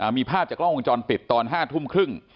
มีภาพจากกล้องวงจรปิดตอน๕ทุ่มครึ่ง